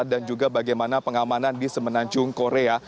dan juga bagaimana pengamanan di semenanjung korea